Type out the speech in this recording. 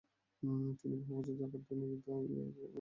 তিনি বহু বছর যাবত দৈনিক দ্য নিউ ইয়র্ক টাইমস পত্রিকায় লিখে আসছেন।